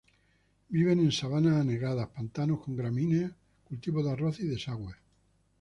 Viven en sabanas anegadas, pantanos con gramíneas, cultivos de arroz y desagües.